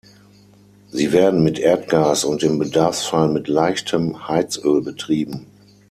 Sie werden mit Erdgas und im Bedarfsfall mit leichtem Heizöl betrieben.